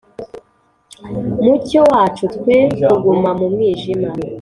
mucyo wacu, twe kuguma mu mwijima.